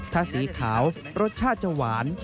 ถ้าสีขาวรสชาติจะหวาน